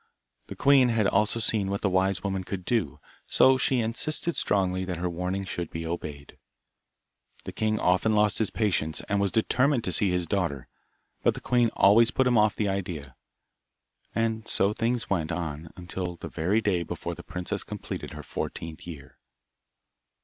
The queen had also seen what the wise woman could do, so she insisted strongly that her warning should be obeyed. The king often lost his patience, and was determined to see his daughter, but the queen always put him off the idea, and so things went on, until the very day before the princess completed her fourteenth year.